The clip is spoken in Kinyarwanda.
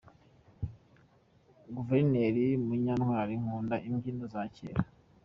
Guverineri Munyantwali: Nkunda imbyino za kera.